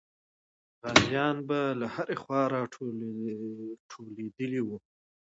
غازیان به له هرې خوا راټولېدلې وو.